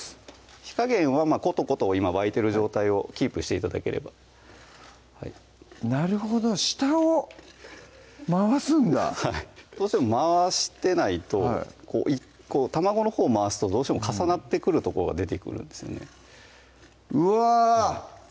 火加減はことこと今沸いてる状態をキープして頂ければなるほど下を回すんだはいどうしても回してないと卵のほうを回すとどうしても重なってくるとこが出てくるんですよねうわ！